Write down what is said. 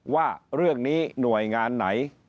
ว่าเรื่องนี้หน่วยงานไหน